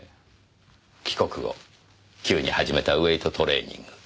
帰国後急に始めたウエート・トレーニング。